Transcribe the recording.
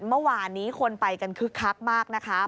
เมื่อวานนี้คนไปกันคึกคักมากนะคะ